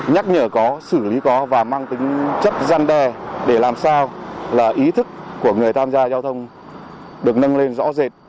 nhắc nhở có xử lý có và mang tính chất gian đe để làm sao là ý thức của người tham gia giao thông được nâng lên rõ rệt